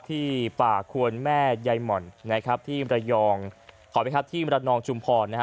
ที่ป่าควนแม่ใยหม่อนนะครับที่ระยองขอไปครับที่มรนองชุมพรนะฮะ